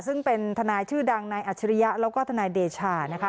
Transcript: ซึ่งเป็นทนายชื่อดังนายอัจฉริยะแล้วก็ทนายเดชานะคะ